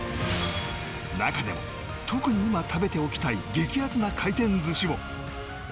中でも特に今食べておきたい激アツな回転寿司を